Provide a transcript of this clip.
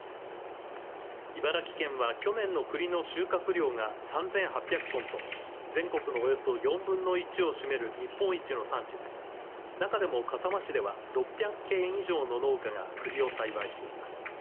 茨城県は去年のくりの収穫量が３８００トンと全国のおよそ４分の１を占める日本一の産地で中でも笠間市では６００軒以上の農家がくりを栽培しています。